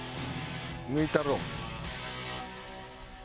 抜いたろう。